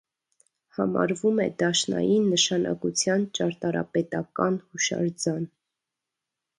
Համարվում է դաշնային նշանակության ճարտարապետական հուշարձան։